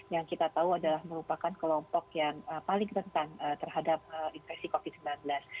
yang kita tahu adalah merupakan kelompok yang paling rentan terhadap infeksi covid sembilan belas